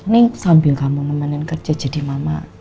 nih sambil kamu nemenin kerja jadi mama